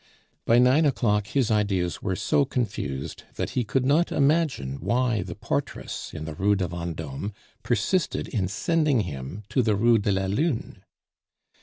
By nine o'clock his ideas were so confused that he could not imagine why the portress in the Rue de Vendome persisted in sending him to the Rue de la Lune.